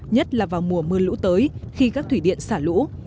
nhất là vào mùa mưa lũ tới khi các thủy điện xả lũ